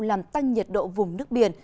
làm tăng nhiệt độ vùng nước biển